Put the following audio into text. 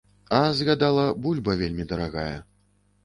А, згадала, бульба вельмі дарагая.